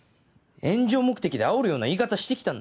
炎上目的であおるような言い方してきたんだよ。